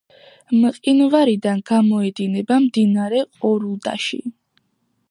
მყინვარიდან გამოედინება მდინარე ყორულდაში.